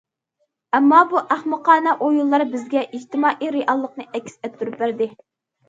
ئەمما بۇ ئەخمىقانە ئويۇنلار بىزگە ئىجتىمائىي رېئاللىقنى ئەكس ئەتتۈرۈپ بەردى.